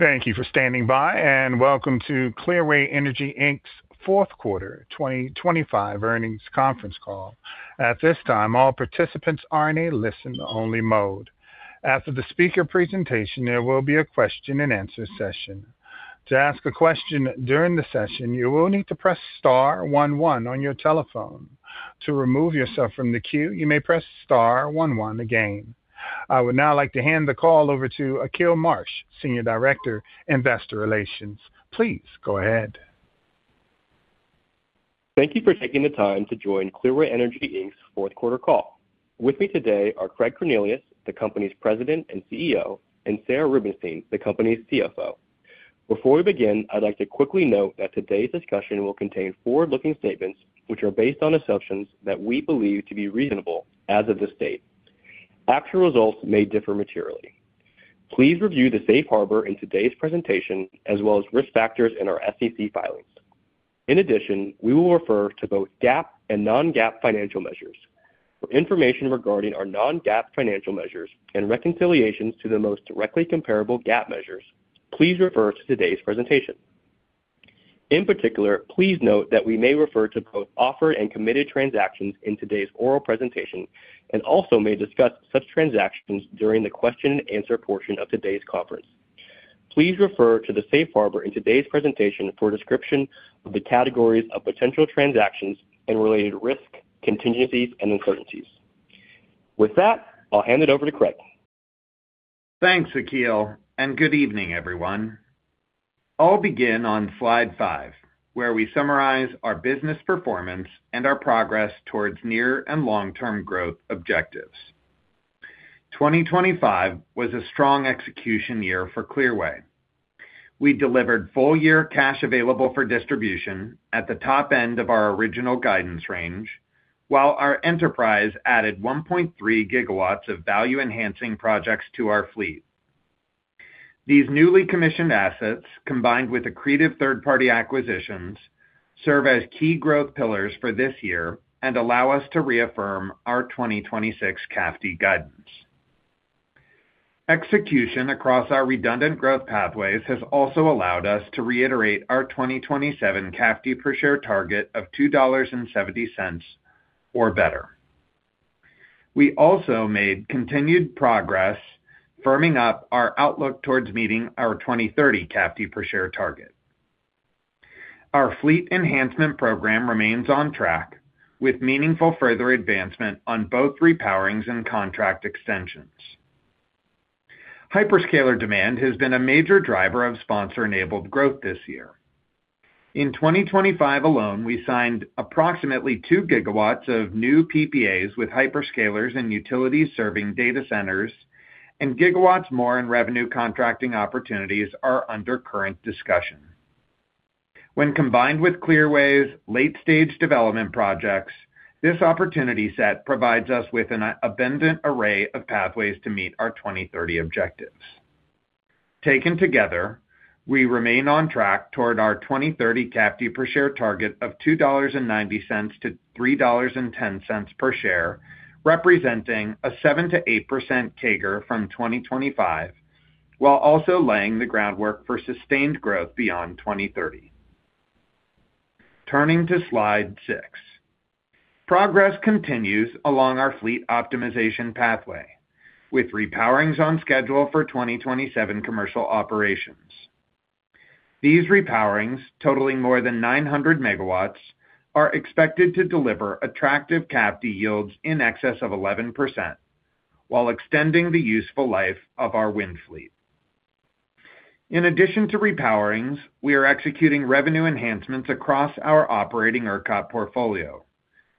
Thank you for standing by, and welcome to Clearway Energy, Inc.'s Fourth Quarter 2025 Earnings Conference Call. At this time, all participants are in a listen-only mode. After the speaker presentation, there will be a question-and-answer session. To ask a question during the session, you will need to press star one one on your telephone. To remove yourself from the queue, you may press star one one again. I would now like to hand the call over to Akil Marsh, Senior Director, Investor Relations. Please go ahead. Thank you for taking the time to join Clearway Energy, Inc.'s fourth quarter call. With me today are Craig Cornelius, the company's President and CEO, and Sarah Rubenstein, the company's CFO. Before we begin, I'd like to quickly note that today's discussion will contain forward-looking statements, which are based on assumptions that we believe to be reasonable as of this date. Actual results may differ materially. Please review the safe harbor in today's presentation, as well as risk factors in our SEC filings. We will refer to both GAAP and non-GAAP financial measures. For information regarding our non-GAAP financial measures and reconciliations to the most directly comparable GAAP measures, please refer to today's presentation. In particular, please note that we may refer to both offered and committed transactions in today's oral presentation and also may discuss such transactions during the question-and-answer portion of today's conference. Please refer to the safe harbor in today's presentation for a description of the categories of potential transactions and related risks, contingencies, and uncertainties. With that, I'll hand it over to Craig. Thanks, Akil, good evening, everyone. I'll begin on Slide five, where we summarize our business performance and our progress towards near and long-term growth objectives. 2025 was a strong execution year for Clearway. We delivered full-year cash available for distribution at the top end of our original guidance range, while our enterprise added 1.3 GW of value-enhancing projects to our fleet. These newly commissioned assets, combined with accretive third-party acquisitions, serve as key growth pillars for this year and allow us to reaffirm our 2026 CAFD guidance. Execution across our redundant growth pathways has also allowed us to reiterate our 2027 CAFD per share target of $2.70 or better. We also made continued progress, firming up our outlook towards meeting our 2030 CAFD per share target. Our fleet enhancement program remains on track, with meaningful further advancement on both repowerings and contract extensions. Hyperscaler demand has been a major driver of sponsor-enabled growth this year. In 2025 alone, we signed approximately 2 GW of new PPAs with hyperscalers and utilities serving data centers, and gigawatts more in revenue contracting opportunities are under current discussion. When combined with Clearway's late-stage development projects, this opportunity set provides us with an abundant array of pathways to meet our 2030 objectives. Taken together, we remain on track toward our 2030 CAFD per share target of $2.90-$3.10 per share, representing a 7%-8% CAGR from 2025, while also laying the groundwork for sustained growth beyond 2030. Turning to Slide six. Progress continues along our fleet optimization pathway, with repowerings on schedule for 2027 commercial operations. These repowerings, totaling more than 900 MW, are expected to deliver attractive CAFD yields in excess of 11%, while extending the useful life of our wind fleet. In addition to repowerings, we are executing revenue enhancements across our operating ERCOT portfolio,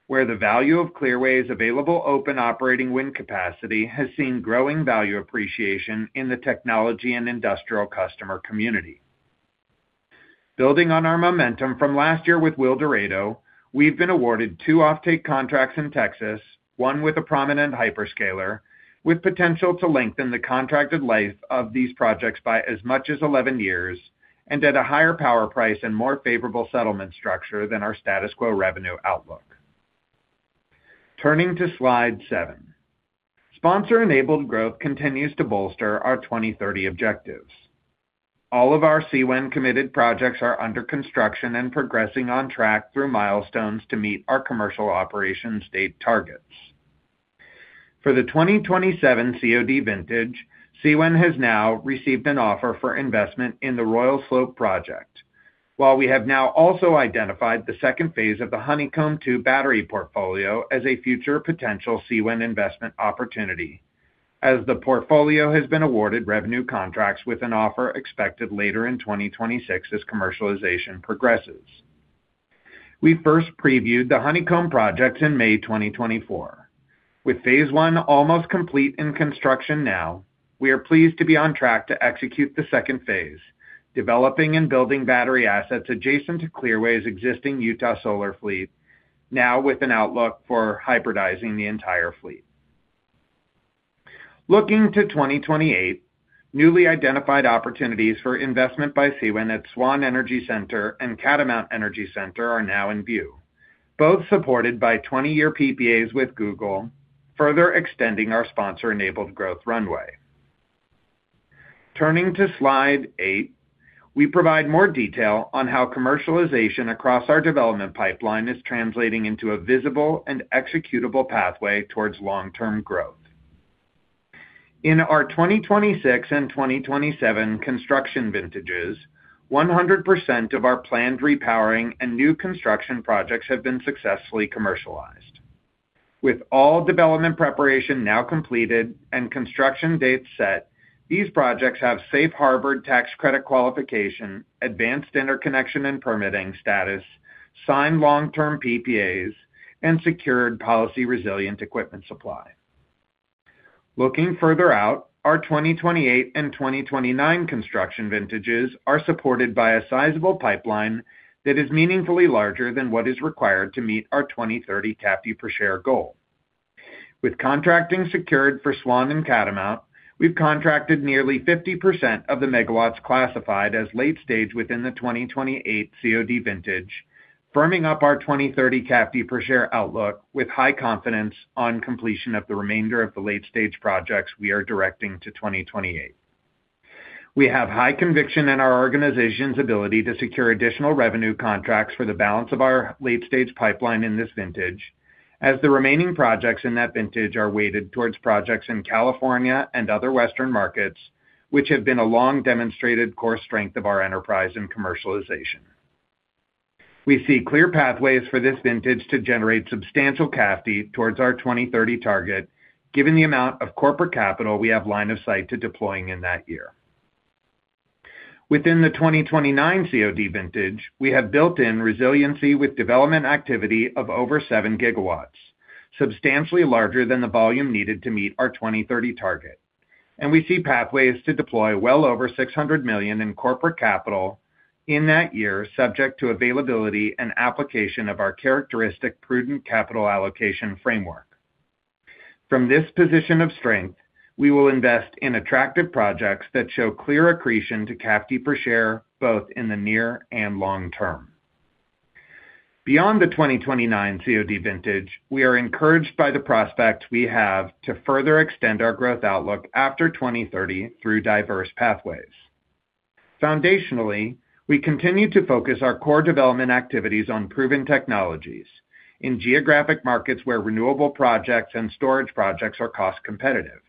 where the value of Clearway's available open operating wind capacity has seen growing value appreciation in the technology and industrial customer community. Building on our momentum from last year with Eldorado, we've been awarded two offtake contracts in Texas, one with a prominent hyperscaler, with potential to lengthen the contracted life of these projects by as much as 11 years and at a higher power price and more favorable settlement structure than our status quo revenue outlook. Turning to Slide seven. Sponsor-enabled growth continues to bolster our 2030 objectives. All of our CWEN committed projects are under construction and progressing on track through milestones to meet our commercial operations date targets. For the 2027 COD vintage, CWEN has now received an offer for investment in the Royal Slope project, while we have now also identified the second phase of the Honeycomb Two battery portfolio as a future potential CWEN investment opportunity, as the portfolio has been awarded revenue contracts with an offer expected later in 2026 as commercialization progresses. We first previewed the Honeycomb projects in May 2024. With phase one almost complete in construction now, we are pleased to be on track to execute the second phase, developing and building battery assets adjacent to Clearway's existing Utah Solar fleet, now with an outlook for hybridizing the entire fleet. Looking to 2028, newly identified opportunities for investment by CWEN at Swan Energy Center and Catamount Energy Center are now in view, both supported by 20-year PPAs with Google, further extending our sponsor-enabled growth runway. Turning to Slide eight, we provide more detail on how commercialization across our development pipeline is translating into a visible and executable pathway towards long-term growth. In our 2026 and 2027 construction vintages, 100% of our planned repowering and new construction projects have been successfully commercialized. With all development preparation now completed and construction dates set, these projects have safe harbored tax credit qualification, advanced interconnection and permitting status, signed long-term PPAs, and secured policy-resilient equipment supply. Looking further out, our 2028 and 2029 construction vintages are supported by a sizable pipeline that is meaningfully larger than what is required to meet our 2030 CAFD per share goal. With contracting secured for Swan and Catamount, we've contracted nearly 50% of the megawatts classified as late-stage within the 2028 COD vintage, firming up our 2030 CAFD per share outlook with high confidence on completion of the remainder of the late-stage projects we are directing to 2028. We have high conviction in our organization's ability to secure additional revenue contracts for the balance of our late-stage pipeline in this vintage, as the remaining projects in that vintage are weighted towards projects in California and other Western markets, which have been a long-demonstrated core strength of our enterprise and commercialization. We see clear pathways for this vintage to generate substantial CAFD towards our 2030 target, given the amount of corporate capital we have line of sight to deploying in that year. Within the 2029 COD vintage, we have built in resiliency with development activity of over 7 GW, substantially larger than the volume needed to meet our 2030 target, and we see pathways to deploy well over $600 million in corporate capital in that year, subject to availability and application of our characteristic prudent capital allocation framework. From this position of strength, we will invest in attractive projects that show clear accretion to CAFD per share, both in the near and long term. Beyond the 2029 COD vintage, we are encouraged by the prospect we have to further extend our growth outlook after 2030 through diverse pathways. Foundationally, we continue to focus our core development activities on proven technologies in geographic markets where renewable projects and storage projects are cost competitive.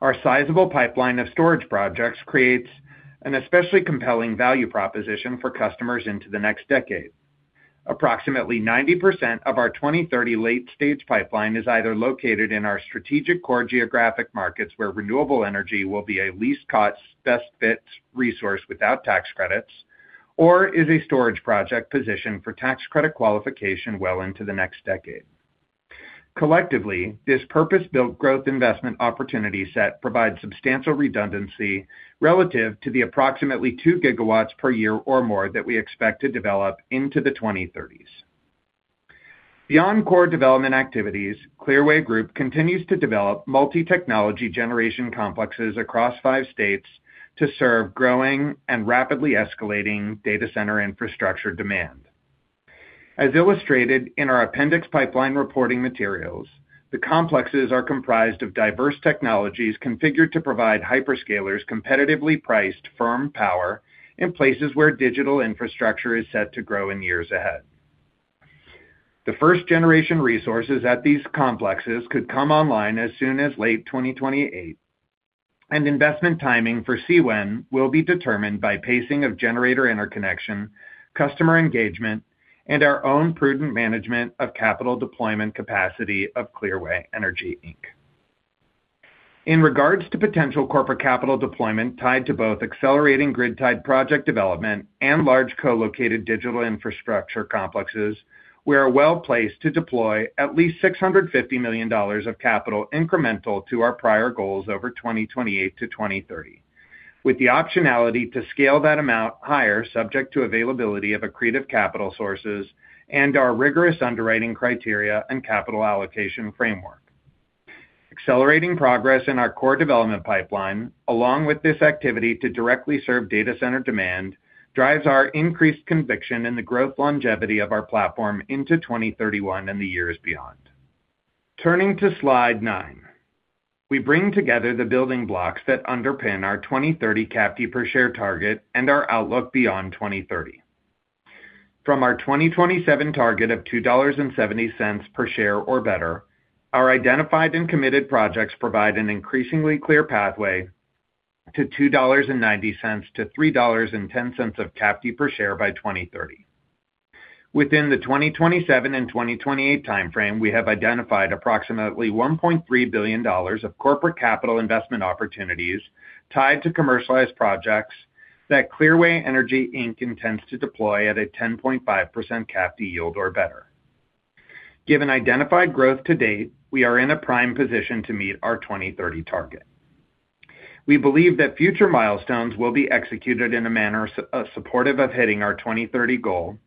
Our sizable pipeline of storage projects creates an especially compelling value proposition for customers into the next decade. Approximately 90% of our 2030 late-stage pipeline is either located in our strategic core geographic markets, where renewable energy will be a least-cost, best-fit resource without tax credits, or is a storage project positioned for tax credit qualification well into the next decade. Collectively, this purpose-built growth investment opportunity set provides substantial redundancy relative to the approximately 2 GW per year or more that we expect to develop into the 2030s. Beyond core development activities, Clearway Group continues to develop multi-technology generation complexes across five states to serve growing and rapidly escalating data center infrastructure demand. As illustrated in our appendix pipeline reporting materials, the complexes are comprised of diverse technologies configured to provide hyperscalers competitively priced firm power in places where digital infrastructure is set to grow in years ahead. The first-generation resources at these complexes could come online as soon as late 2028. Investment timing for CWEN will be determined by pacing of generator interconnection, customer engagement, and our own prudent management of capital deployment capacity of Clearway Energy, Inc. In regards to potential corporate capital deployment tied to both accelerating grid-tied project development and large co-located digital infrastructure complexes, we are well-placed to deploy at least $650 million of capital incremental to our prior goals over 2028-2030, with the optionality to scale that amount higher, subject to availability of accretive capital sources and our rigorous underwriting criteria and capital allocation framework. Accelerating progress in our core development pipeline, along with this activity to directly serve data center demand, drives our increased conviction in the growth longevity of our platform into 2031 and the years beyond. Turning to Slide nine. We bring together the building blocks that underpin our 2030 CAFD per share target and our outlook beyond 2030. From our 2027 target of $2.70 per share or better, our identified and committed projects provide an increasingly clear pathway to $2.90-$3.10 of CAFD per share by 2030. Within the 2027 and 2028 timeframe, we have identified approximately $1.3 billion of corporate capital investment opportunities tied to commercialized projects that Clearway Energy, Inc. intends to deploy at a 10.5% CAFD yield or better. Given identified growth to date, we are in a prime position to meet our 2030 target. We believe that future milestones will be executed in a manner supportive of hitting our 2030 goal,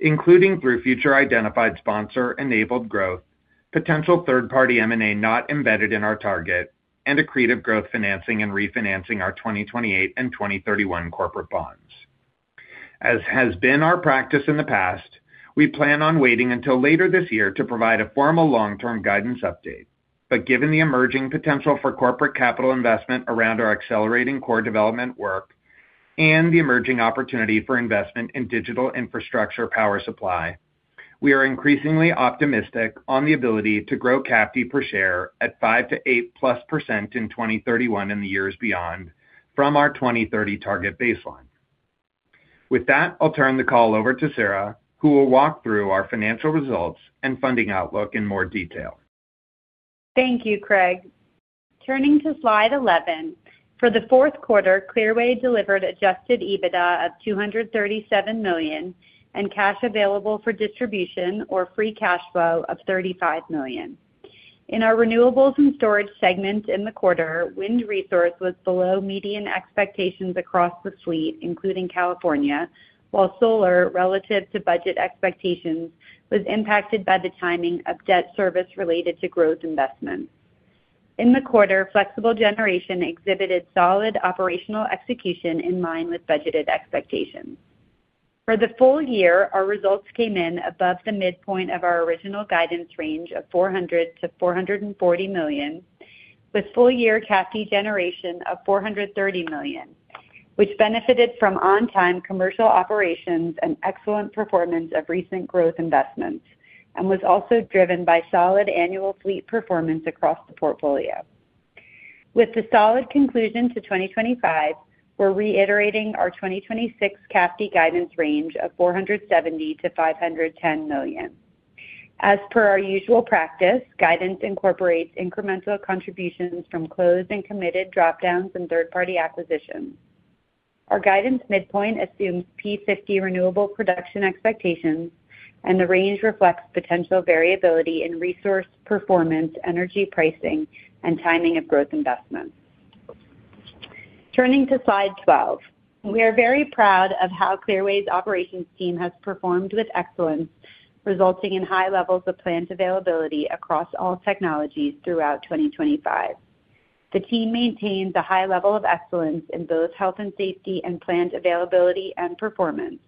including through future identified sponsor-enabled growth, potential third-party M&A not embedded in our target, and accretive growth financing and refinancing our 2028 and 2031 corporate bonds. As has been our practice in the past, we plan on waiting until later this year to provide a formal long-term guidance update. Given the emerging potential for corporate capital investment around our accelerating core development work and the emerging opportunity for investment in digital infrastructure power supply, we are increasingly optimistic on the ability to grow CAFD per share at 5 to 8+% in 2031 and the years beyond, from our 2030 target baseline. With that, I'll turn the call over to Sarah, who will walk through our financial results and funding outlook in more detail. Thank you, Craig. Turning to Slide 11, for the fourth quarter, Clearway delivered Adjusted EBITDA of $237 million, and Cash Available for Distribution or free cash flow of $35 million. In our renewables and storage segment in the quarter, wind resource was below median expectations across the fleet, including California, while solar, relative to budget expectations, was impacted by the timing of debt service related to growth investments. In the quarter, flexible generation exhibited solid operational execution in line with budgeted expectations. For the full year, our results came in above the midpoint of our original guidance range of $400 million-$440 million, with full-year CAFD generation of $430 million, which benefited from on-time commercial operations and excellent performance of recent growth investments, and was also driven by solid annual fleet performance across the portfolio. With the solid conclusion to 2025, we're reiterating our 2026 CAFD guidance range of $470 million-$510 million. As per our usual practice, guidance incorporates incremental contributions from closed and committed drop-downs and third-party acquisitions. Our guidance midpoint assumes P50 renewable production expectations, and the range reflects potential variability in resource performance, energy pricing, and timing of growth investments. Turning to Slide 12. We are very proud of how Clearway's operations team has performed with excellence, resulting in high levels of plant availability across all technologies throughout 2025. The team maintains a high level of excellence in both health and safety, and plant availability and performance.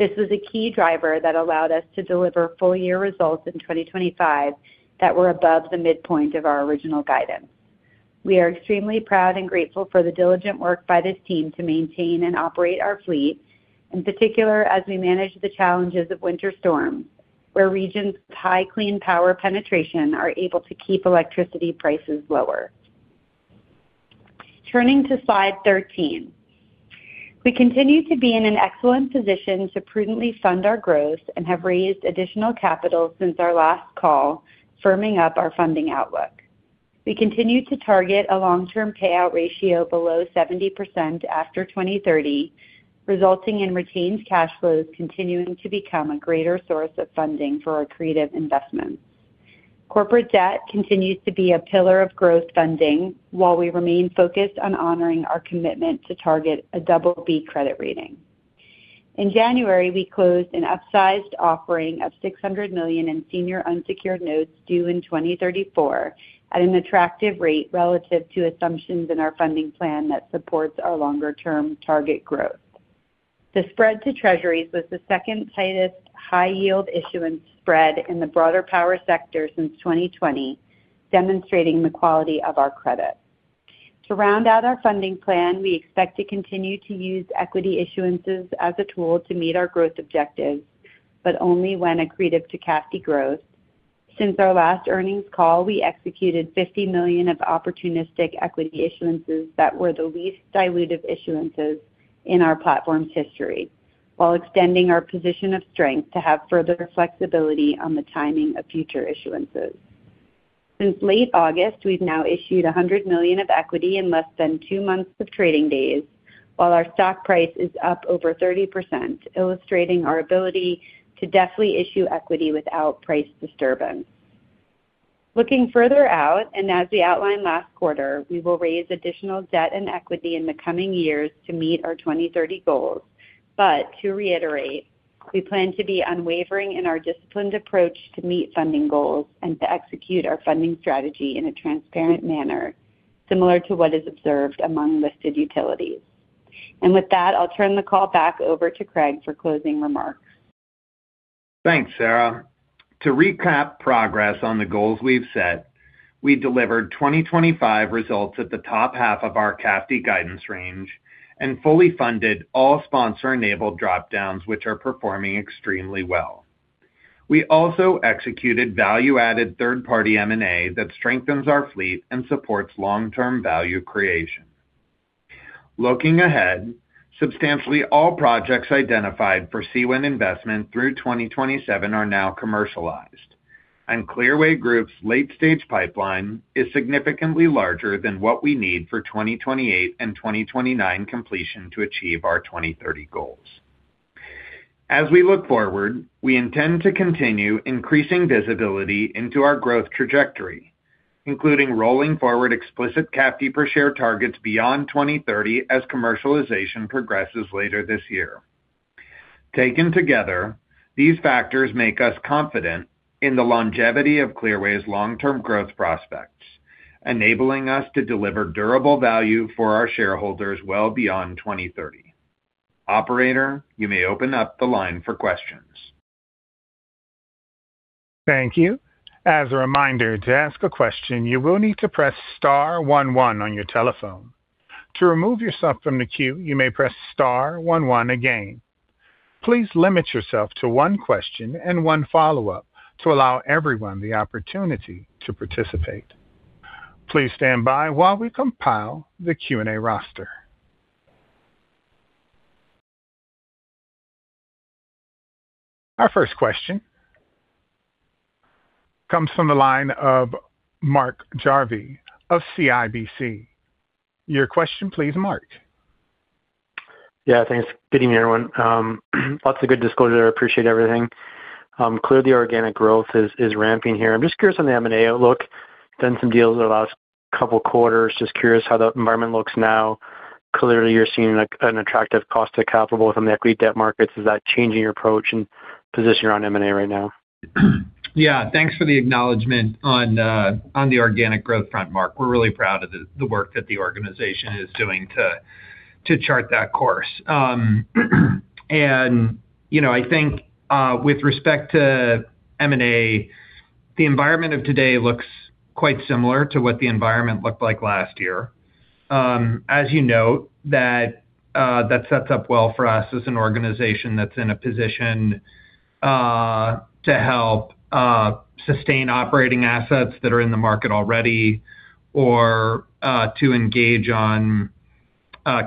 This was a key driver that allowed us to deliver full-year results in 2025 that were above the midpoint of our original guidance. We are extremely proud and grateful for the diligent work by this team to maintain and operate our fleet, in particular, as we manage the challenges of winter storms, where regions with high clean power penetration are able to keep electricity prices lower. Turning to Slide 13. We continue to be in an excellent position to prudently fund our growth and have raised additional capital since our last call, firming up our funding outlook. We continue to target a long-term payout ratio below 70% after 2030, resulting in retained cash flows continuing to become a greater source of funding for our creative investments. Corporate debt continues to be a pillar of growth funding, while we remain focused on honoring our commitment to target a double B credit rating. In January, we closed an upsized offering of $600 million in senior unsecured notes due in 2034 at an attractive rate relative to assumptions in our funding plan that supports our longer-term target growth. The spread to Treasuries was the second tightest high-yield issuance spread in the broader power sector since 2020, demonstrating the quality of our credit. To round out our funding plan, we expect to continue to use equity issuances as a tool to meet our growth objectives, but only when accretive to CAFD growth. Since our last earnings call, we executed $50 million of opportunistic equity issuances that were the least dilutive issuances in our platform's history, while extending our position of strength to have further flexibility on the timing of future issuances. Since late August, we've now issued $100 million of equity in less than two months of trading days, while our stock price is up over 30%, illustrating our ability to deftly issue equity without price disturbance. Looking further out, as we outlined last quarter, we will raise additional debt and equity in the coming years to meet our 2030 goals. To reiterate, we plan to be unwavering in our disciplined approach to meet funding goals and to execute our funding strategy in a transparent manner, similar to what is observed among listed utilities. With that, I'll turn the call back over to Craig for closing remarks. Thanks, Sarah. To recap progress on the goals we've set, we delivered 2025 results at the top half of our CAFD guidance range and fully funded all sponsor-enabled drop-downs, which are performing extremely well. We also executed value-added third-party M&A that strengthens our fleet and supports long-term value creation. Looking ahead, substantially all projects identified for CWEN investment through 2027 are now commercialized, and Clearway Group's late-stage pipeline is significantly larger than what we need for 2028 and 2029 completion to achieve our 2030 goals. As we look forward, we intend to continue increasing visibility into our growth trajectory, including rolling forward explicit CAFD per share targets beyond 2030 as commercialization progresses later this year. Taken together, these factors make us confident in the longevity of Clearway's long-term growth prospects, enabling us to deliver durable value for our shareholders well beyond 2030. Operator, you may open up the line for questions. Thank you. As a reminder, to ask a question, you will need to press star one one on your telephone. To remove yourself from the queue, you may press star one one again. Please limit yourself to one question and one follow-up to allow everyone the opportunity to participate. Please stand by while we compile the Q&A roster. Our first question comes from the line of Mark Jarvi of CIBC. Your question please, Mark. Yeah, thanks. Good evening, everyone. Lots of good disclosure. I appreciate everything. Clearly, organic growth is, is ramping here. I'm just curious on the M&A outlook. Done some deals the last couple quarters. Just curious how the environment looks now. Clearly, you're seeing a, an attractive cost to capital from the equity debt markets. Is that changing your approach and position on M&A right now? Yeah, thanks for the acknowledgment on on the organic growth front, Mark. We're really proud of the, the work that the organization is doing to, to chart that course. You know, I think with respect to M&A, the environment of today looks quite similar to what the environment looked like last year. As you note, that sets up well for us as an organization that's in a position to help sustain operating assets that are in the market already, or to engage on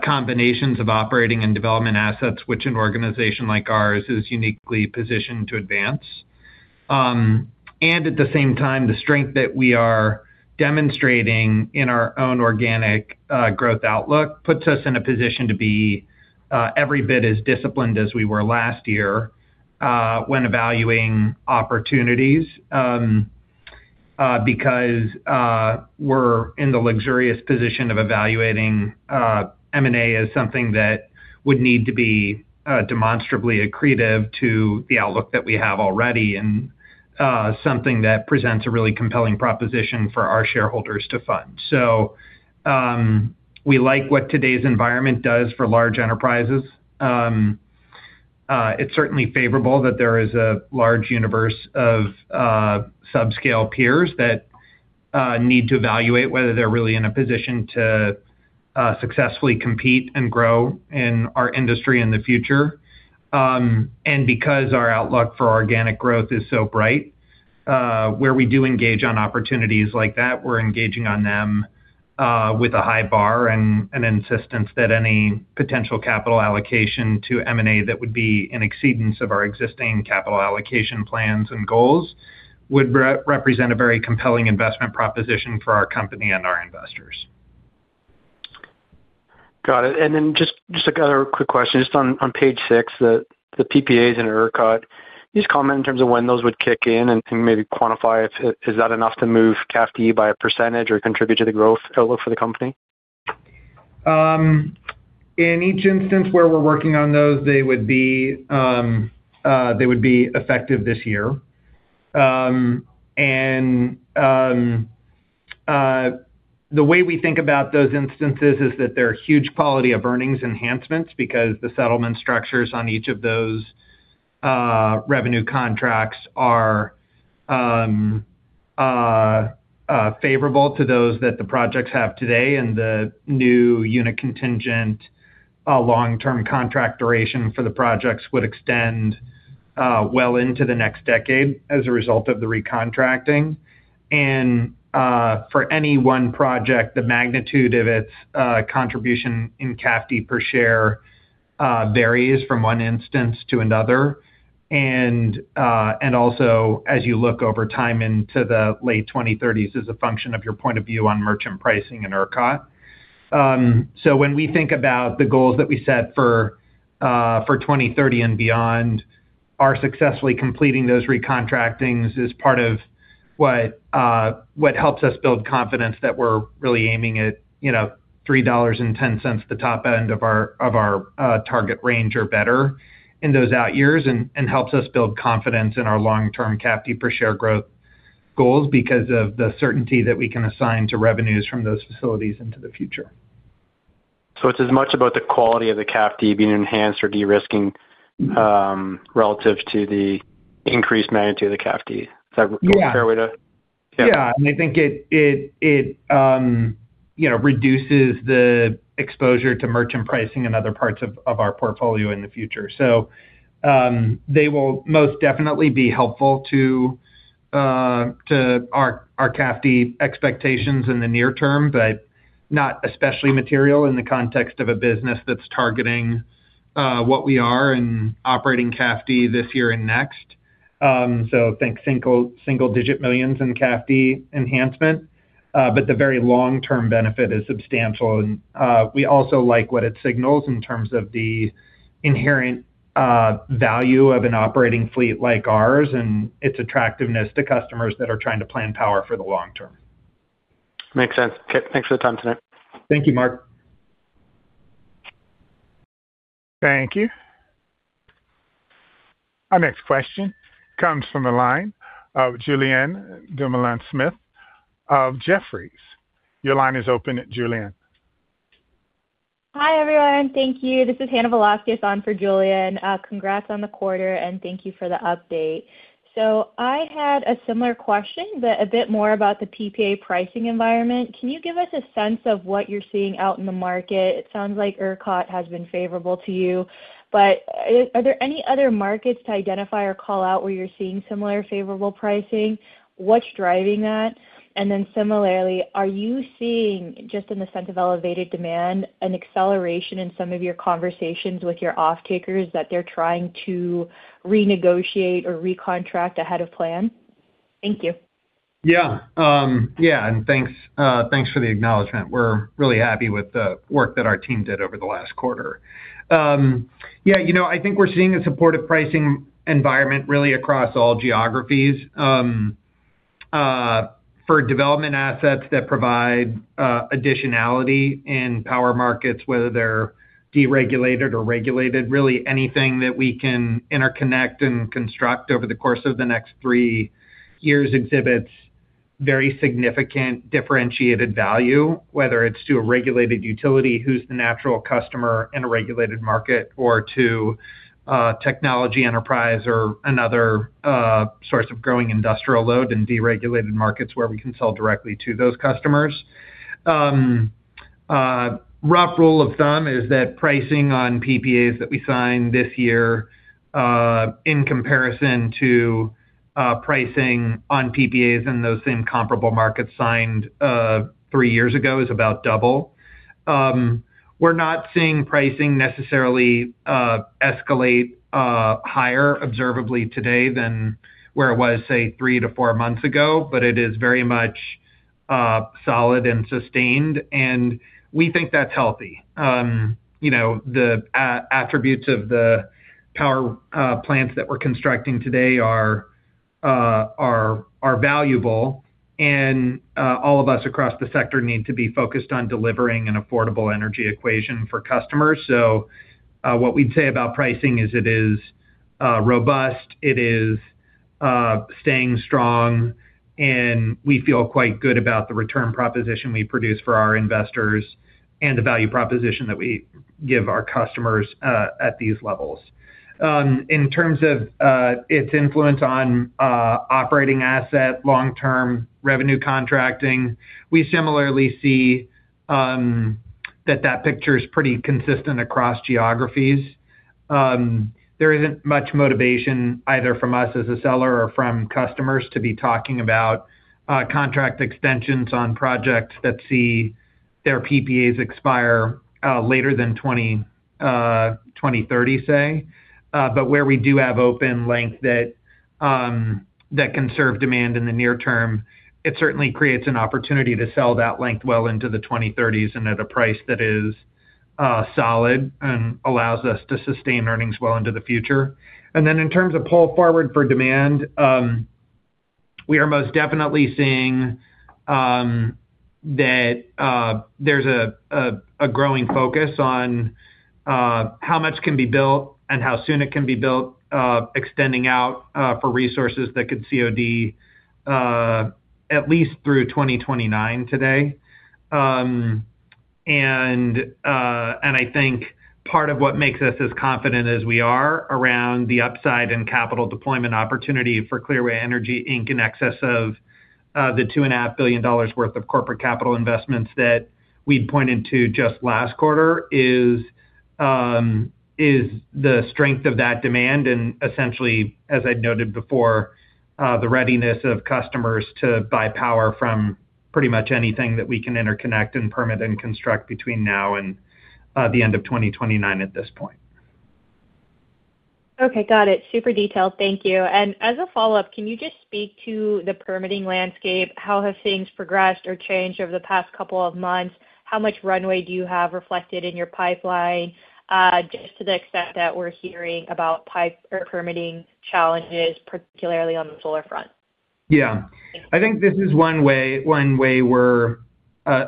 combinations of operating and development assets, which an organization like ours is uniquely positioned to advance. At the same time, the strength that we are demonstrating in our own organic growth outlook puts us in a position to be every bit as disciplined as we were last year when evaluating opportunities because we're in the luxurious position of evaluating M&A as something that would need to be demonstrably accretive to the outlook that we have already and something that presents a really compelling proposition for our shareholders to fund. We like what today's environment does for large enterprises. It's certainly favorable that there is a large universe of subscale peers that need to evaluate whether they're really in a position to successfully compete and grow in our industry in the future. Because our outlook for organic growth is so bright, where we do engage on opportunities like that, we're engaging on them with a high bar and an insistence that any potential capital allocation to M&A that would be in exceedance of our existing capital allocation plans and goals, would re-represent a very compelling investment proposition for our company and our investors. Got it. Then just like a quick question. On page six, the PPAs and ERCOT. Can you just comment in terms of when those would kick in and maybe quantify if, is that enough to move CAFD by a % or contribute to the growth outlook for the company? In each instance where we're working on those, they would be, they would be effective this year. The way we think about those instances is that they're huge quality of earnings enhancements because the settlement structures on each of those, revenue contracts are, favorable to those that the projects have today, and the new unit-contingent, long-term contract duration for the projects would extend, well into the next decade as a result of the recontracting. For any one project, the magnitude of its, contribution in CAFD per share, varies from one instance to another. And also, as you look over time into the late 2030s, as a function of your point of view on merchant pricing and ERCOT. When we think about the goals that we set for for 2030 and beyond, our successfully completing those recontractings is part of what helps us build confidence that we're really aiming at, you know, $3.10, the top end of our, of our, target range, or better in those out years, and helps us build confidence in our long-term CAFD per share growth goals because of the certainty that we can assign to revenues from those facilities into the future. It's as much about the quality of the CAFD being enhanced or de-risking, relative to the increased magnitude of the CAFD. Is that a fair way to- Yeah, I think it, you know, reduces the exposure to merchant pricing in other parts of, of our portfolio in the future. They will most definitely be helpful to our, our CAFD expectations in the near term, but not especially material in the context of a business that's targeting what we are in operating CAFD this year and next. Think single-digit millions in CAFD enhancement, but the very long-term benefit is substantial. We also like what it signals in terms of the inherent value of an operating fleet like ours and its attractiveness to customers that are trying to plan power for the long term. Makes sense. Okay, thanks for the time tonight. Thank you, Mark. Thank you. Our next question comes from the line of Julien Dumoulin-Smith of Jefferies. Your line is open, Julien. Hi, everyone. Thank you. This is Hannah Velásquez on for Julien. Congrats on the quarter, and thank you for the update. I had a similar question, but a bit more about the PPA pricing environment. Can you give us a sense of what you're seeing out in the market? It sounds like ERCOT has been favorable to you, but are there any other markets to identify or call out where you're seeing similar favorable pricing? What's driving that? Similarly, are you seeing, just in the sense of elevated demand, an acceleration in some of your conversations with your off-takers, that they're trying to renegotiate or recontract ahead of plan? Thank you. Yeah. Yeah, and thanks, thanks for the acknowledgment. We're really happy with the work that our team did over the last quarter. Yeah, you know, I think we're seeing a supportive pricing environment really across all geographies, for development assets that provide additionality in power markets, whether they're deregulated or regulated. Really, anything that we can interconnect and construct over the course of the next three years exhibits very significant differentiated value, whether it's to a regulated utility, who's the natural customer in a regulated market, or to a technology enterprise or another, source of growing industrial load in deregulated markets where we can sell directly to those customers. Rough rule of thumb is that pricing on PPAs that we signed this year, in comparison to pricing on PPAs in those same comparable markets signed three years ago, is about double. We're not seeing pricing necessarily escalate higher observably today than where it was, say, three-four months ago, but it is very much solid and sustained, and we think that's healthy. You know, the attributes of the power plants that we're constructing today are, are valuable, and all of us across the sector need to be focused on delivering an affordable energy equation for customers. What we'd say about pricing is it is robust, it is staying strong, and we feel quite good about the return proposition we produce for our investors and the value proposition that we give our customers at these levels. In terms of its influence on operating asset, long-term revenue contracting, we similarly see that that picture is pretty consistent across geographies. There isn't much motivation either from us as a seller or from customers to be talking about contract extensions on projects that see their PPAs expire later than 2030, say. Where we do have open length that can serve demand in the near term, it certainly creates an opportunity to sell that length well into the 2030s and at a price that is solid and allows us to sustain earnings well into the future. Then in terms of pull forward for demand, we are most definitely seeing that there's a growing focus on how much can be built and how soon it can be built, extending out for resources that could COD at least through 2029 today. I think part of what makes us as confident as we are around the upside and capital deployment opportunity for Clearway Energy, Inc. in excess of, the $2.5 billion worth of corporate capital investments that we'd pointed to just last quarter, is the strength of that demand, and essentially, as I'd noted before, the readiness of customers to buy power from pretty much anything that we can interconnect and permit and construct between now and, the end of 2029 at this point. Okay, got it. Super detailed. Thank you. As a follow-up, can you just speak to the permitting landscape? How have things progressed or changed over the past couple of months? How much runway do you have reflected in your pipeline, just to the extent that we're hearing about pipe- or permitting challenges, particularly on the solar front? Yeah. I think this is one way, one way we're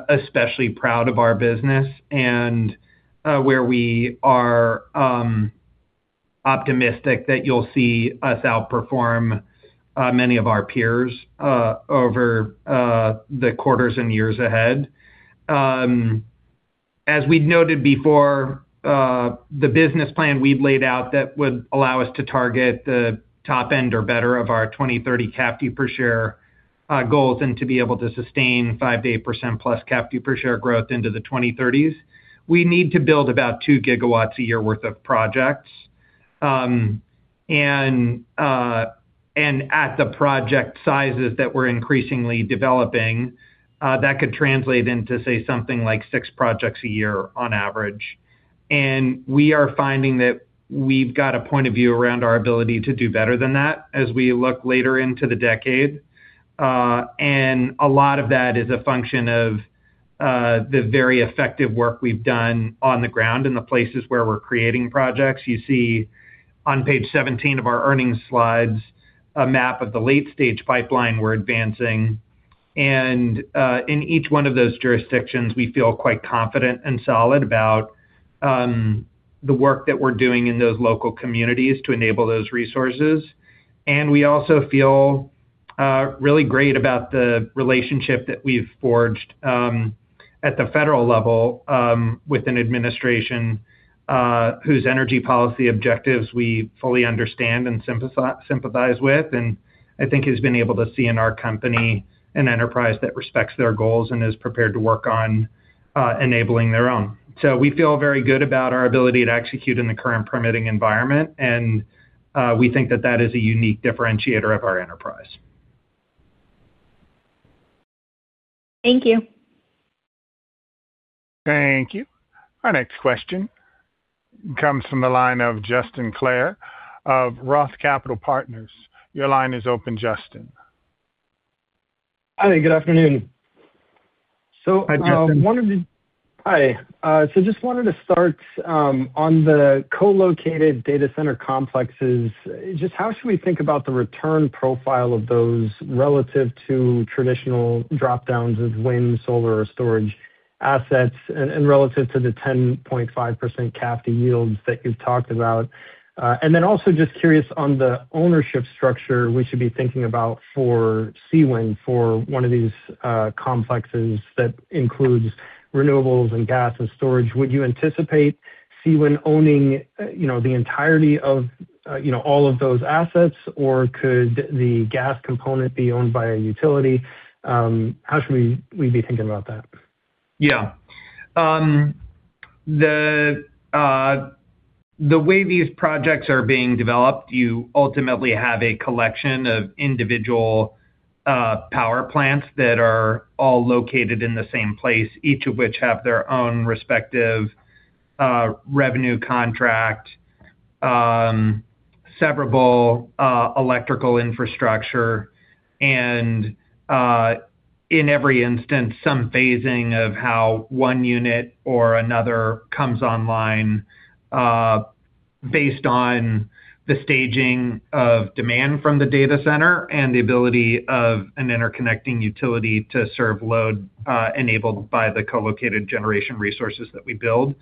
especially proud of our business and where we are optimistic that you'll see us outperform many of our peers over the quarters and years ahead. As we'd noted before, the business plan we've laid out that would allow us to target the top end or better of our 2030 CAFD per share goals, and to be able to sustain 5%-8%+ CAFD per share growth into the 2030s. We need to build about 2 GW a year worth of projects. At the project sizes that we're increasingly developing, that could translate into, say, something like six projects a year on average. We are finding that we've got a point of view around our ability to do better than that as we look later into the decade. A lot of that is a function of the very effective work we've done on the ground in the places where we're creating projects. You see on page 17 of our earnings slides, a map of the late-stage pipeline we're advancing. In each one of those jurisdictions, we feel quite confident and solid about the work that we're doing in those local communities to enable those resources. We also feel really great about the relationship that we've forged at the federal level with an administration whose energy policy objectives we fully understand and sympathize with, and I think has been able to see in our company an enterprise that respects their goals and is prepared to work on enabling their own. We feel very good about our ability to execute in the current permitting environment, and we think that that is a unique differentiator of our enterprise. Thank you. Thank you. Our next question comes from the line of Justin Clare of Roth Capital Partners. Your line is open, Justin. Hi, good afternoon. Hi, Justin. One of the-- hi, so just wanted to start on the co-located data center complexes. Just how should we think about the return profile of those relative to traditional drop-downs of wind, solar, or storage assets, and, and relative to the 10.5% CAFD yields that you've talked about? Also just curious on the ownership structure we should be thinking about for Seawind, for one of these complexes that includes renewables and gas and storage. Would you anticipate Seawind owning, you know, the entirety of, you know, all of those assets, or could the gas component be owned by a utility? How should we, we be thinking about that? Yeah. The way these projects are being developed, you ultimately have a collection of individual power plants that are all located in the same place, each of which have their own respective revenue contract, severable electrical infrastructure, and in every instance, some phasing of how one unit or another comes online, based on the staging of demand from the data center and the ability of an interconnecting utility to serve load, enabled by the co-located generation resources that we build.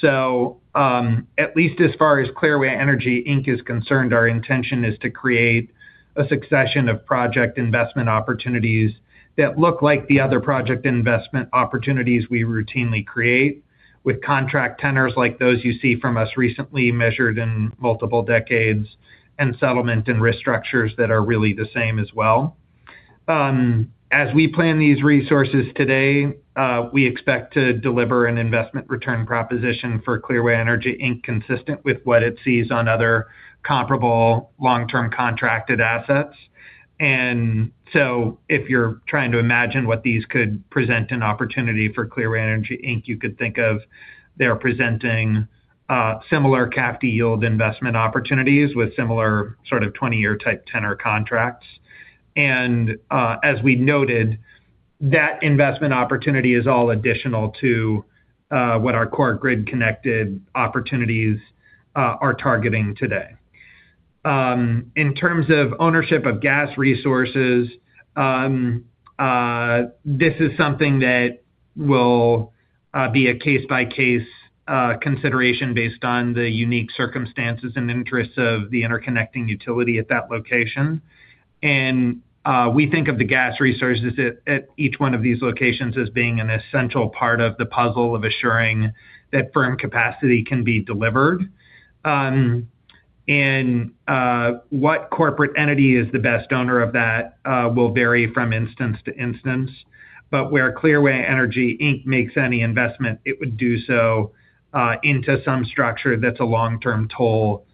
So, at least as far as Clearway Energy, Inc. is concerned, our intention is to create a succession of project investment opportunities that look like the other project investment opportunities we routinely create with contract tenors like those you see from us recently, measured in multiple decades, and settlement and restructures that are really the same as well. As we plan these resources today, we expect to deliver an investment return proposition for Clearway Energy, Inc. consistent with what it sees on other comparable long-term contracted assets. If you're trying to imagine what these could present an opportunity for Clearway Energy, Inc., you could think of they're presenting similar CAFD yield investment opportunities with similar sort of 20-year type tenor contracts. As we noted, that investment opportunity is all additional to what our core grid-connected opportunities are targeting today. In terms of ownership of gas resources, this is something that will be a case-by-case consideration based on the unique circumstances and interests of the interconnecting utility at that location. We think of the gas resources at, at each one of these locations as being an essential part of the puzzle of assuring that firm capacity can be delivered. What corporate entity is the best owner of that will vary from instance to instance. Where Clearway Energy, Inc. makes any investment, it would do so into some structure that's a long-term toll,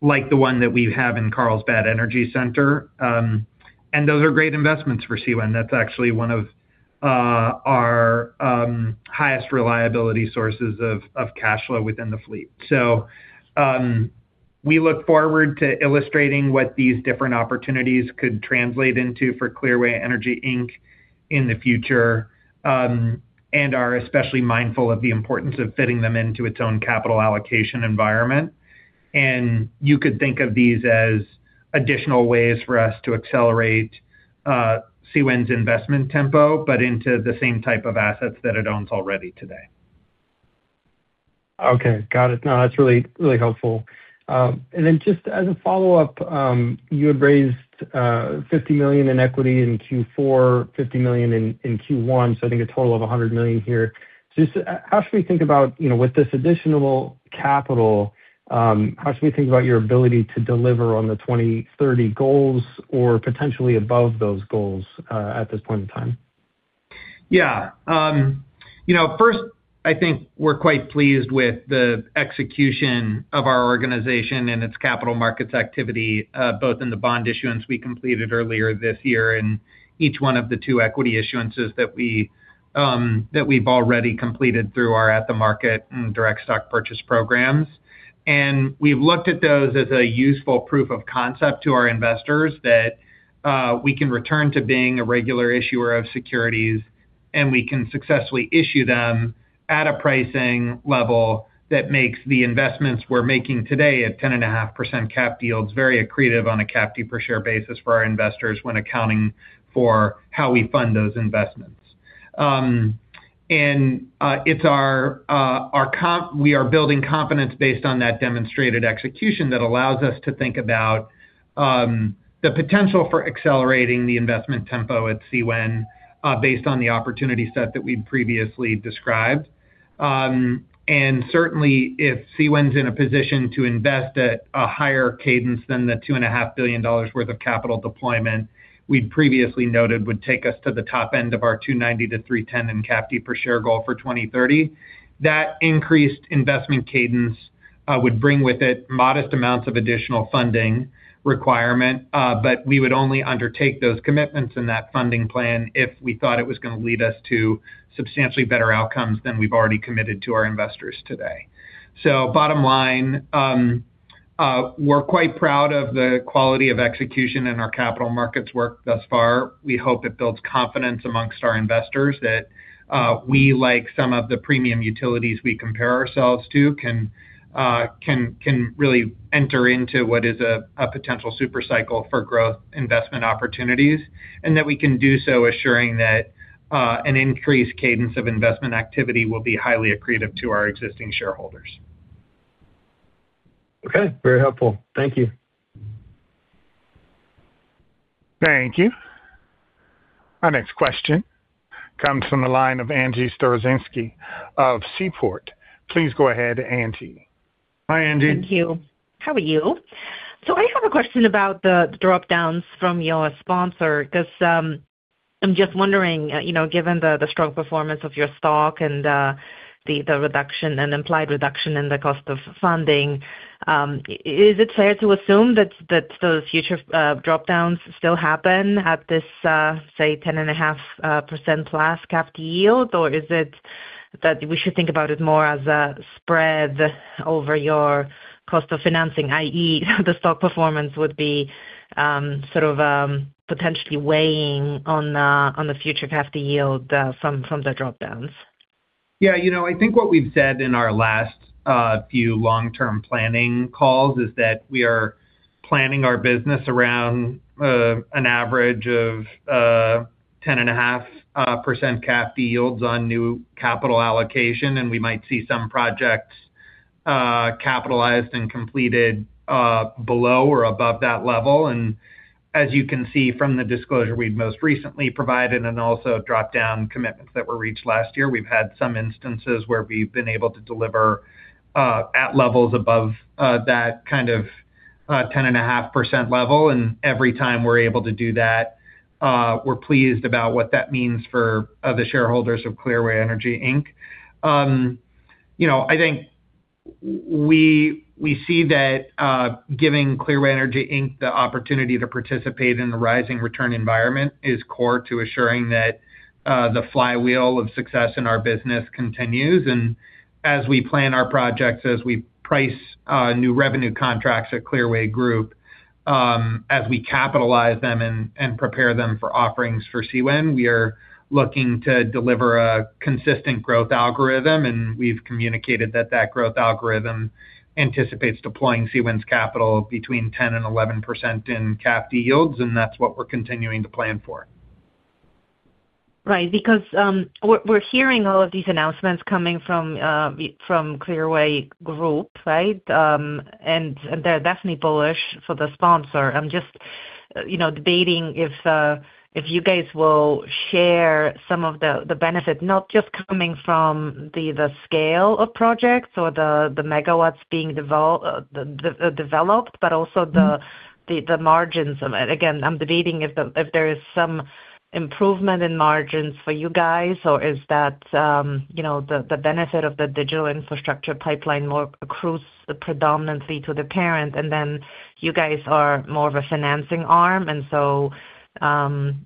like the one that we have in Carlsbad Energy Center. Those are great investments for Seawind. That's actually one of our highest reliability sources of cash flow within the fleet. We look forward to illustrating what these different opportunities could translate into for Clearway Energy, Inc. in the future and are especially mindful of the importance of fitting them into its own capital allocation environment. You could think of these as additional ways for us to accelerate, Seawind's investment tempo, but into the same type of assets that it owns already today. Okay, got it. That's really, really helpful. As a follow-up, you had raised $50 million in equity in Q4, $50 million in Q1, so I think a total of $100 million here. How should we think about, you know, with this additional capital, how should we think about your ability to deliver on the 2030 goals or potentially above those goals at this point in time? Yeah. You know, first, I think we're quite pleased with the execution of our organization and its capital markets activity, both in the bond issuance we completed earlier this year, and each one of the two equity issuances that we've already completed through our at-the-market and direct stock purchase programs. We've looked at those as a useful proof of concept to our investors, that we can return to being a regular issuer of securities. We can successfully issue them at a pricing level that makes the investments we're making today at 10.5% cap yields very accretive on a cap D per share basis for our investors when accounting for how we fund those investments. We are building confidence based on that demonstrated execution that allows us to think about the potential for accelerating the investment tempo at CWEN based on the opportunity set that we've previously described. Certainly, if CWEN's in a position to invest at a higher cadence than the $2.5 billion worth of capital deployment we'd previously noted, would take us to the top end of our $2.90-$3.10 in CAFD per share goal for 2030. That increased investment cadence would bring with it modest amounts of additional funding requirement, but we would only undertake those commitments and that funding plan if we thought it was going to lead us to substantially better outcomes than we've already committed to our investors today. Bottom line, we're quite proud of the quality of execution in our capital markets work thus far. We hope it builds confidence amongst our investors that we, like some of the premium utilities we compare ourselves to, can, can, can really enter into what is a, a potential super cycle for growth investment opportunities, and that we can do so assuring that an increased cadence of investment activity will be highly accretive to our existing shareholders. Okay. Very helpful. Thank you. Thank you. Our next question comes from the line of Angie Storozynski of Seaport. Please go ahead, Angie. Hi, Angie. Thank you. How are you? I have a question about the drop-downs from your sponsor, because I'm just wondering, you know, given the strong performance of your stock and the reduction and implied reduction in the cost of funding, is it fair to assume that those future drop-downs still happen at this, say, 10.5% plus CAFD yield? Or is it that we should think about it more as a spread over your cost of financing, i.e., the stock performance would be, sort of, potentially weighing on the future CAFD yield from the drop-downs? Yeah, you know, I think what we've said in our last few long-term planning calls is that we are planning our business around an average of 10.5% cap yields on new capital allocation, and we might see some projects capitalized and completed below or above that level. As you can see from the disclosure we've most recently provided and also drop-down commitments that were reached last year, we've had some instances where we've been able to deliver at levels above that kind of 10.5% level, and every time we're able to do that, we're pleased about what that means for the shareholders of Clearway Energy, Inc. You know, I think we, we see that giving Clearway Energy, Inc. the opportunity to participate in the rising return environment is core to assuring that the flywheel of success in our business continues. As we plan our projects, as we price new revenue contracts at Clearway Group, as we capitalize them and prepare them for offerings for CWEN, we are looking to deliver a consistent growth algorithm, and we've communicated that that growth algorithm anticipates deploying CWEN's capital between 10% and 11% in CAFD yields, and that's what we're continuing to plan for. Right. Because we're hearing all of these announcements coming from Clearway Group, right? They're definitely bullish for the sponsor. I'm just, you know, debating if you guys will share some of the benefit, not just coming from the scale of projects or the megawatts being developed, but also the, the margins of it. Again, I'm debating if there is some improvement in margins for you guys, or is that, you know, the, the benefit of the digital infrastructure pipeline more accrues the predominantly to the parent, and then you guys are more of a financing arm, and so,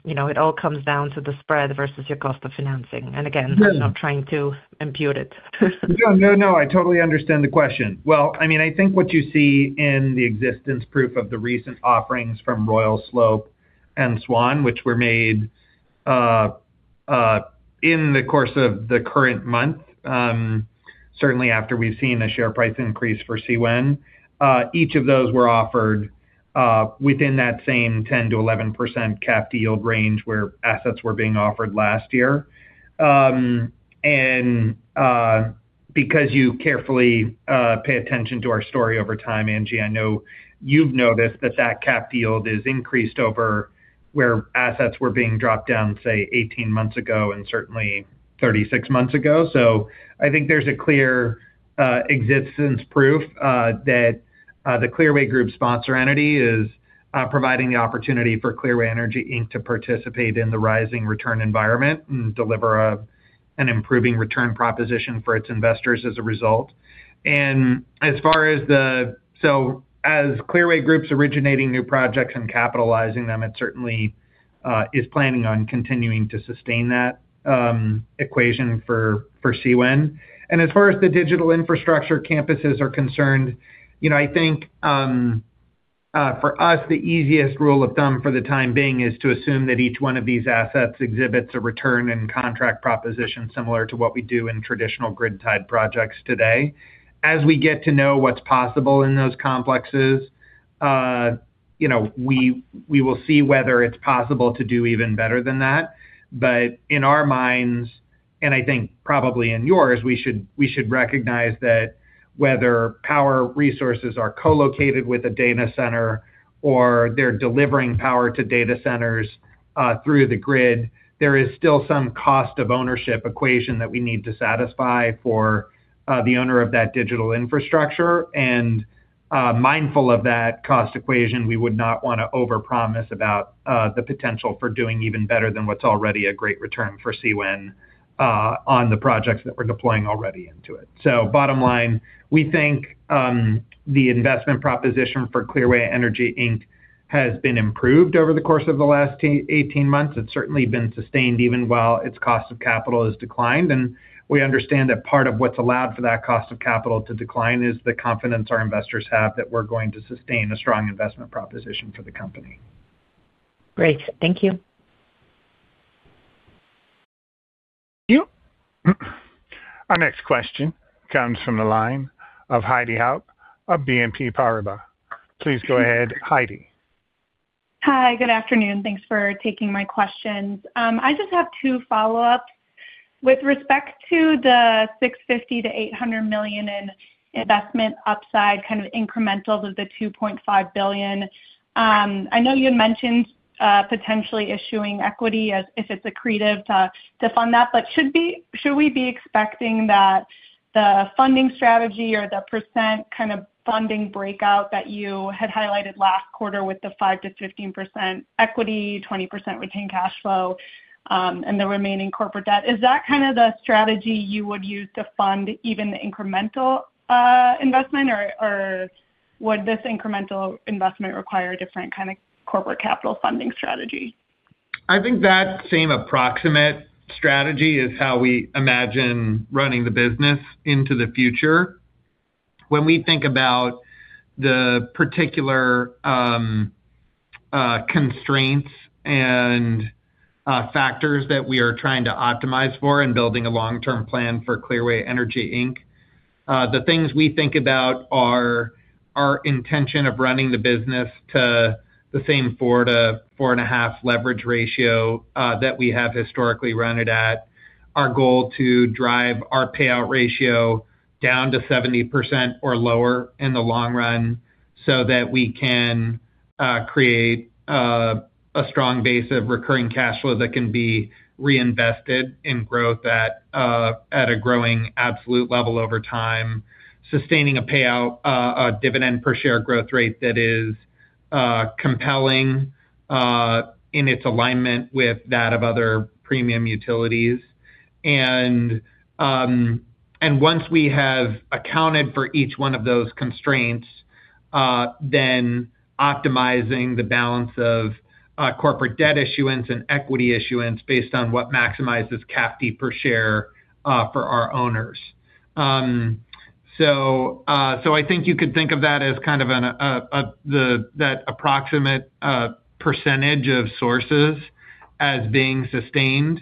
you know, it all comes down to the spread versus your cost of financing. No I'm not trying to impute it. No, no, no. I totally understand the question. Well, I mean, I think what you see in the existence proof of the recent offerings from Royal Slope and Swan, which were made in the course of the current month, certainly after we've seen a share price increase for CWEN, each of those were offered within that same 10%-11% CAFD yield range, where assets were being offered last year. Because you carefully pay attention to our story over time, Angie, I know you've noticed that that CAFD yield is increased over where assets were being dropped down, say, 18 months ago and certainly 36 months ago. So I think there's a clear existence proof that the Clearway Energy Group sponsor entity is providing the opportunity for Clearway Energy, Inc. to participate in the rising return environment and deliver an improving return proposition for its investors as a result. As far as so as Clearway Group's originating new projects and capitalizing them, it certainly is planning on continuing to sustain that equation for, for CWEN. As far as the digital infrastructure campuses are concerned, you know, I think, for us, the easiest rule of thumb for the time being is to assume that each one of these assets exhibits a return and contract proposition similar to what we do in traditional grid-tied projects today. As we get to know what's possible in those complexes, you know, we, we will see whether it's possible to do even better than that. In our minds, and I think probably in yours, we should, we should recognize that whether power resources are co-located with a data center or they're delivering power to data centers through the grid, there is still some cost of ownership equation that we need to satisfy for the owner of that digital infrastructure. Mindful of that cost equation, we would not want to overpromise about the potential for doing even better than what's already a great return for CWEN on the projects that we're deploying already into it. Bottom line, we think the investment proposition for Clearway Energy, Inc. has been improved over the course of the last 18 months. It's certainly been sustained even while its cost of capital has declined. We understand that part of what's allowed for that cost of capital to decline is the confidence our investors have that we're going to sustain a strong investment proposition for the company. Great. Thank you. Our next question comes from the line of Heidi Hauch of BNP Paribas. Please go ahead, Heidi. Hi, good afternoon. Thanks for taking my questions. I just have two follow-ups. With respect to the $650 million-$800 million in investment upside, kind of incremental to the $2.5 billion, I know you had mentioned, potentially issuing equity as if it's accretive to, to fund that. But should we be expecting that the funding strategy or the percent kind of funding breakout that you had highlighted last quarter with the 5%-15% equity, 20% retained cash flow, and the remaining corporate debt, is that kind of the strategy you would use to fund even the incremental investment, or would this incremental investment require a different kind of corporate capital funding strategy? I think that same approximate strategy is how we imagine running the business into the future. When we think about the particular constraints and factors that we are trying to optimize for in building a long-term plan for Clearway Energy, Inc., the things we think about are our intention of running the business to the same 4-4.5 leverage ratio that we have historically run it at. Our goal to drive our payout ratio down to 70% or lower in the long run, so that we can create a strong base of recurring cash flow that can be reinvested in growth at a growing absolute level over time, sustaining a payout dividend per share growth rate that is compelling in its alignment with that of other premium utilities. Once we have accounted for each one of those constraints, then optimizing the balance of corporate debt issuance and equity issuance based on what maximizes CAFD per share for our owners. So I think you could think of that as kind of an that approximate percentage of sources as being sustained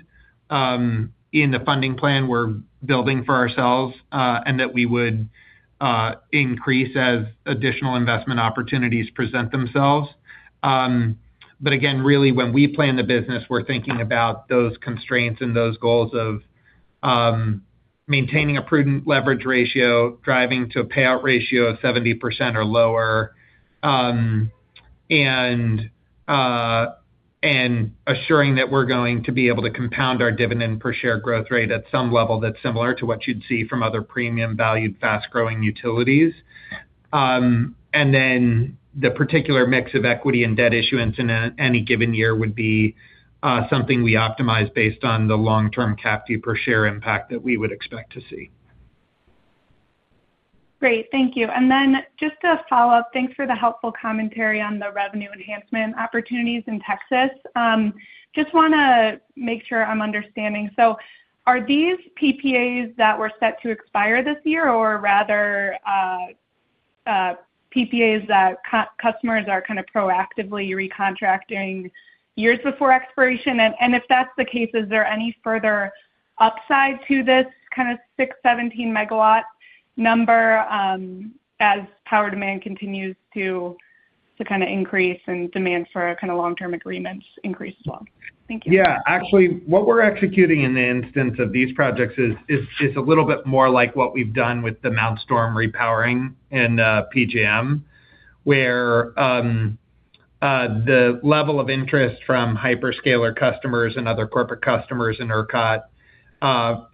in the funding plan we're building for ourselves, and that we would increase as additional investment opportunities present themselves. Again, really, when we plan the business, we're thinking about those constraints and those goals of maintaining a prudent leverage ratio, driving to a payout ratio of 70% or lower, and assuring that we're going to be able to compound our dividend per share growth rate at some level that's similar to what you'd see from other premium valued, fast-growing utilities. Then the particular mix of equity and debt issuance in any given year would be something we optimize based on the long-term CAFD per share impact that we would expect to see. Great. Thank you. Just a follow-up. Thanks for the helpful commentary on the revenue enhancement opportunities in Texas. Just want to make sure I'm understanding. Are these PPAs that were set to expire this year or rather, PPAs that customers are kind of proactively recontracting years before expiration? If that's the case, is there any further upside to this kind of 617 MW number as power demand continues to kind of increase and demand for kind of long-term agreements increase as well? Thank you. Yeah, actually, what we're executing in the instance of these projects is a little bit more like what we've done with the Mount Storm repowering in PJM, where the level of interest from hyperscaler customers and other corporate customers in ERCOT, for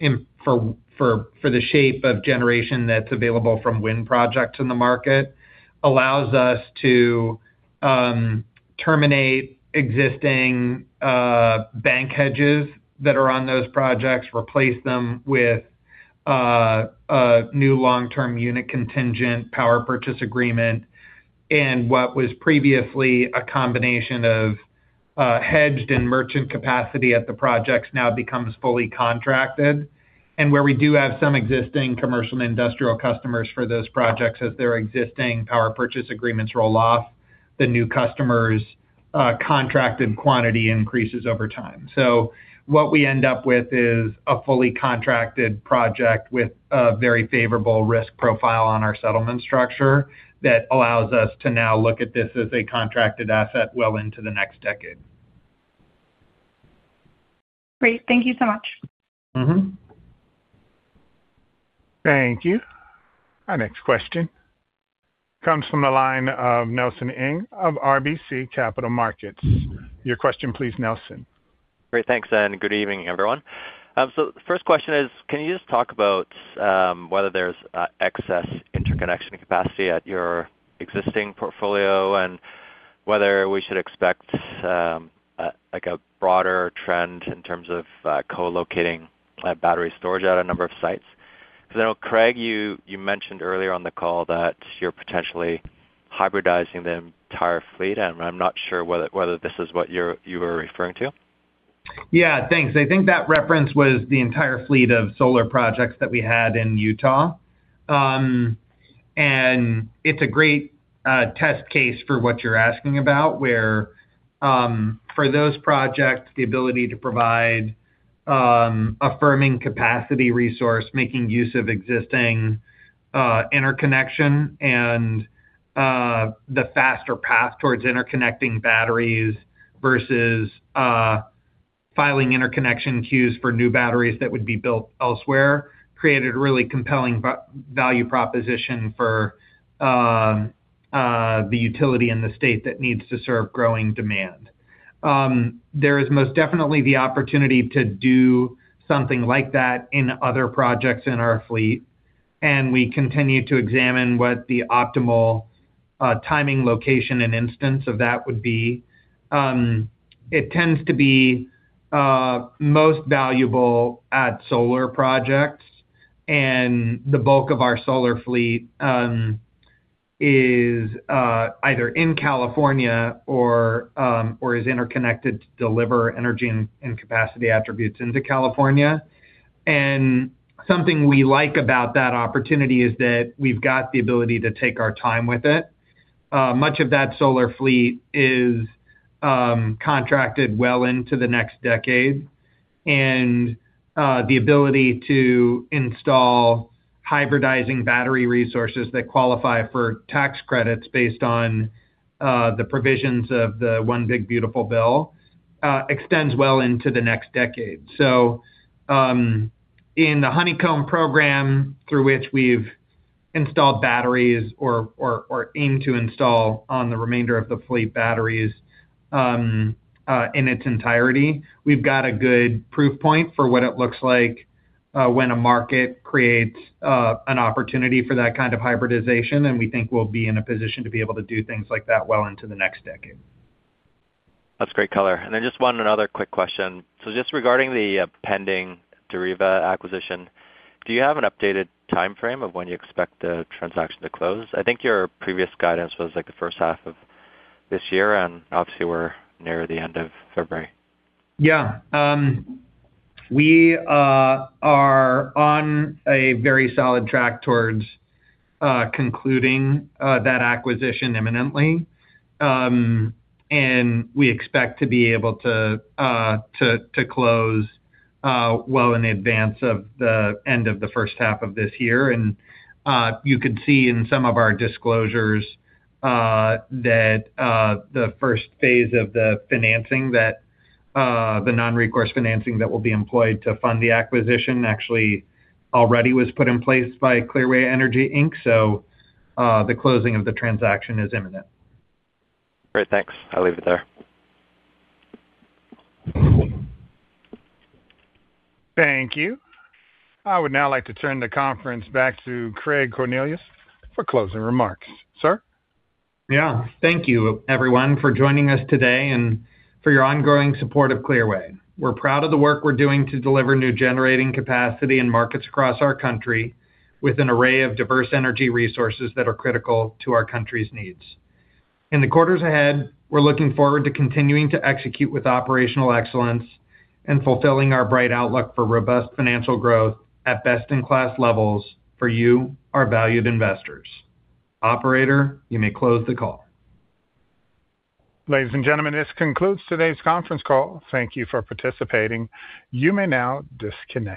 the shape of generation that's available from wind projects in the market, allows us to terminate existing bank hedges that are on those projects, replace them with a new long-term unit-contingent Power Purchase Agreement. What was previously a combination of hedged in merchant capacity at the projects now becomes fully contracted. Where we do have some existing commercial and industrial customers for those projects, as their existing Power Purchase Agreements roll off, the new customers' contracted quantity increases over time. What we end up with is a fully contracted project with a very favorable risk profile on our settlement structure that allows us to now look at this as a contracted asset well into the next decade. Great. Thank you so much. Thank you. Our next question comes from the line of Nelson Ng of RBC Capital Markets. Your question please, Nelson. Great. Thanks, and good evening, everyone. The first question is, can you just talk about whether there's excess interconnection capacity at your existing portfolio? Whether we should expect, like, a broader trend in terms of co-locating battery storage at a number of sites? Because I know, Craig, you, you mentioned earlier on the call that you're potentially hybridizing the entire fleet, and I'm not sure whether, whether this is what you're, you were referring to. Yeah, thanks. I think that reference was the entire fleet of solar projects that we had in Utah. It's a great test case for what you're asking about, where for those projects, the ability to provide firming capacity resource, making use of existing interconnection and the faster path towards interconnecting batteries versus filing interconnection queues for new batteries that would be built elsewhere, created a really compelling value proposition for the utility in the state that needs to serve growing demand. There is most definitely the opportunity to do something like that in other projects in our fleet, and we continue to examine what the optimal timing, location, and instance of that would be. It tends to be most valuable at solar projects, and the bulk of our solar fleet is either in California or is interconnected to deliver energy and capacity attributes into California. Something we like about that opportunity is that we've got the ability to take our time with it. Much of that solar fleet is contracted well into the next decade. The ability to install hybridizing battery resources that qualify for tax credits based on the provisions of the One Big Beautiful Bill extends well into the next decade. In the Honeycomb program, through which we've installed batteries or, or, or aim to install on the remainder of the fleet batteries, in its entirety, we've got a good proof point for what it looks like, when a market creates, an opportunity for that kind of hybridization, and we think we'll be in a position to be able to do things like that well into the next decade. That's great color. Just one another quick question. Just regarding the pending Deriva acquisition, do you have an updated timeframe of when you expect the transaction to close? I think your previous guidance was, like, the first half of this year. Obviously we're near the end of February. Yeah. We are on a very solid track towards concluding that acquisition imminently. We expect to be able to close well in advance of the end of the first half of this year. You can see in some of our disclosures that the first phase of the financing, that the non-recourse financing that will be employed to fund the acquisition, actually already was put in place by Clearway Energy, Inc. The closing of the transaction is imminent. Great, thanks. I'll leave it there. Thank you. I would now like to turn the conference back to Craig Cornelius for closing remarks. Sir? Yeah. Thank you, everyone, for joining us today and for your ongoing support of Clearway. We're proud of the work we're doing to deliver new generating capacity in markets across our country, with an array of diverse energy resources that are critical to our country's needs. In the quarters ahead, we're looking forward to continuing to execute with operational excellence and fulfilling our bright outlook for robust financial growth at best-in-class levels for you, our valued investors. Operator, you may close the call. Ladies and gentlemen, this concludes today's conference call. Thank you for participating. You may now disconnect.